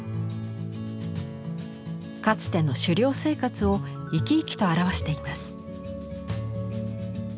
かつての狩猟生活を生き生きと表しています。